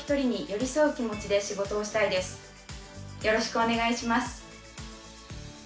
よろしくお願いします。